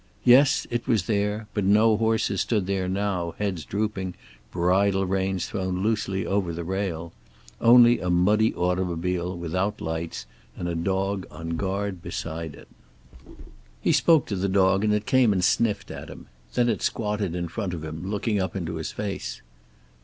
Yes, it was there, but no horses stood there now, heads drooping, bridle reins thrown loosely over the rail. Only a muddy automobile, without lights, and a dog on guard beside it. He spoke to the dog, and it came and sniffed at him. Then it squatted in front of him, looking up into his face.